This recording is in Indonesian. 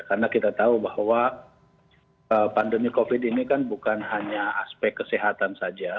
karena kita tahu bahwa pandemi covid sembilan belas ini kan bukan hanya aspek kesehatan saja